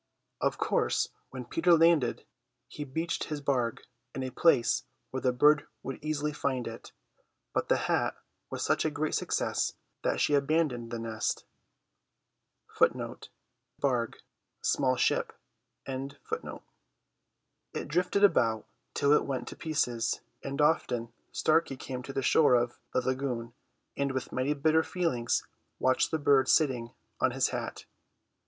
Of course when Peter landed he beached his barque in a place where the bird would easily find it; but the hat was such a great success that she abandoned the nest. It drifted about till it went to pieces, and often Starkey came to the shore of the lagoon, and with many bitter feelings watched the bird sitting on his hat.